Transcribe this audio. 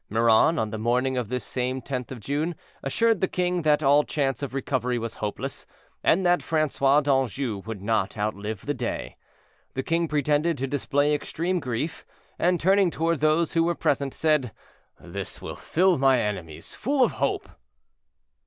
Miron, on the morning of this same 10th of June, assured the king that all chance of recovery was hopeless, and that Francois d'Anjou would not outlive the day. The king pretended to display extreme grief, and turning toward those who were present, said, "This will fill my enemies full of hope."